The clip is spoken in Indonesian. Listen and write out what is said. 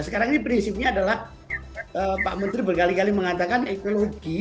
sekarang ini prinsipnya adalah pak menteri berkali kali mengatakan ekologi